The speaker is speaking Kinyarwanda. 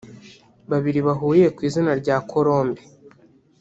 babiri bahuriye ku izina rya Colombe